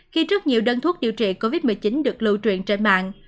khi rất nhiều đơn thuốc điều trị covid một mươi chín được lưu truyền trên mạng